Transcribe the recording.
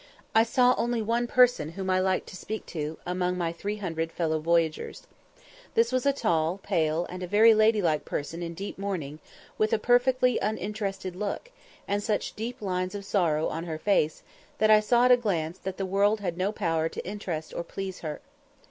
I saw only one person whom I liked to speak to, among my three hundred fellow voyagers. This was a tall, pale, and very ladylike person in deep mourning, with a perfectly uninterested look, and such deep lines of sorrow on her face, that I saw at a glance that the world had no power to interest or please her.